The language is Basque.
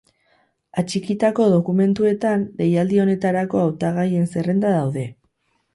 Atxikitako dokumentuetan, deialdi honetarako hautagaien zerrenda daude.